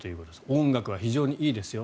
音楽は非常にいいですよ。